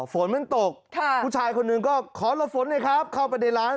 ฝนมันตกผู้ชายคนหนึ่งก็ขอหลบฝนหน่อยครับเข้าไปในร้าน